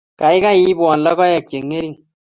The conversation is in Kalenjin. Gaigai, ibwon logoek chengering